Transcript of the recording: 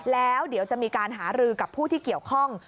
แล้วเดี๋ยวจะมีการหารือกับผู้ที่เกี่ยวข้อง